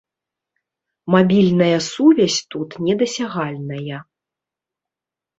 Мабільная сувязь тут недасягальная!